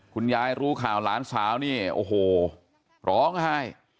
ยายรู้ข่าวหลานสาวนี่โอ้โหร้องไห้